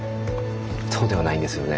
そうではないんですよね。